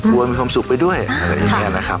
มีความสุขไปด้วยอะไรอย่างนี้นะครับ